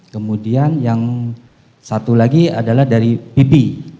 kemudian yang satu lagi adalah dari bibi